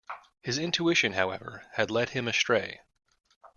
His intuition, however, had led him astray.